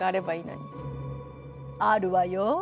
あるわよ。